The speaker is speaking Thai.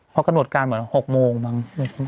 เพราะกระโดดการเหมือน๖โมงบ้าง